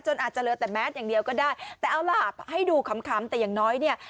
อาจจะเหลือแต่แมสอย่างเดียวก็ได้แต่เอาล่ะให้ดูขำแต่อย่างน้อยเนี่ย